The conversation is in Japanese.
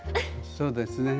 そうですね。